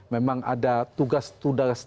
memang ada tugas tugas